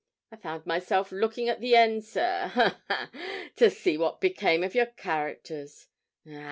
I found myself looking at the end, sir, ha, ha! to see what became of your characters.